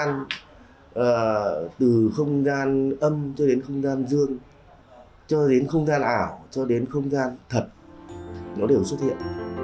từ không gian âm cho đến không gian dương cho đến không gian ảo cho đến không gian thật nó đều xuất hiện